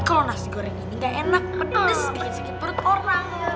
kalau nasi goreng ini enggak enak pedes bikin sikit perut orang